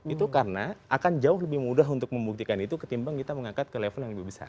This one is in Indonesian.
itu karena akan jauh lebih mudah untuk membuktikan itu ketimbang kita mengangkat ke level yang lebih besar